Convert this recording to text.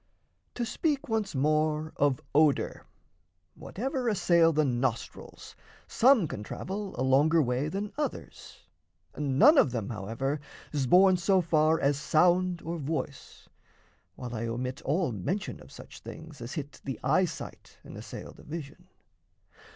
To speak once more of odour; Whatever assail the nostrils, some can travel A longer way than others. None of them, However, 's borne so far as sound or voice While I omit all mention of such things As hit the eyesight and assail the vision.